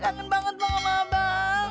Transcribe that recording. kangen banget sama abang